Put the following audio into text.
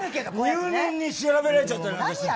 入念に調べられちゃってさ。